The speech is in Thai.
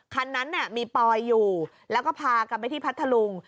คันนั้นมีปอยอยู่แล้วก็พากันไปที่พัทธลุง